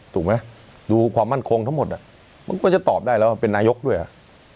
ถูกไหมดูความมั่นคงทั้งหมดอ่ะมันก็จะตอบได้แล้วเป็นนายกด้วยอ่ะ